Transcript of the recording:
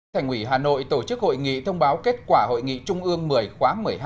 thành quỷ hà nội tổ chức hội nghị thông báo kết quả hội nghị trung ương một mươi khóa một mươi hai